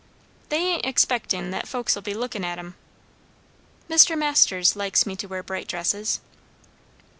"They ain't expectin' that folks'll be lookin' at 'em." "Mr. Masters likes me to wear bright dresses."